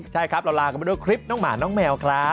ใช่ครับเราลากันไปด้วยคลิปน้องหมาน้องแมวครับ